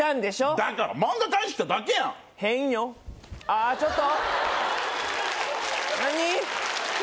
だから漫画返しにきただけやん変よああちょっと何？